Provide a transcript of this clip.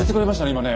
今ね。